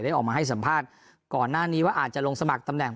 ออกมาให้สัมภาษณ์ก่อนหน้านี้ว่าอาจจะลงสมัครตำแหน่ง